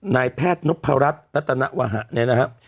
นายแพทย์นพรรดิรัตนาวะหะเนี่ยนะฮะ